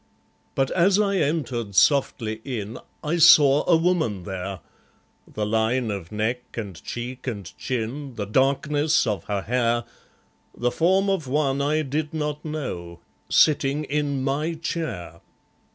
But as I entered softly in I saw a woman there, The line of neck and cheek and chin, The darkness of her hair, The form of one I did not know Sitting in my chair.